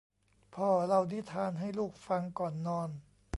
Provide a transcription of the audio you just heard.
พ่อเล่านิทานให้ลูกฟังก่อนนอน